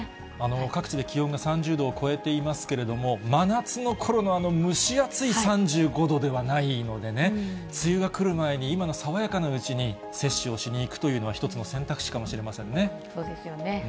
各地で気温が３０度を超えていますけれども、真夏のころのあの蒸し暑い３５度ではないのでね、梅雨が来る前に、今の爽やかなうちに、接種をしに行くというのは、一つの選択肢かそうですよね。